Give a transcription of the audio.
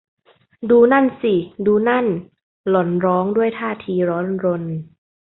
ดูนั่นสิ ดูนั่น หล่อนร้องด้วยท่าทีร้อนรน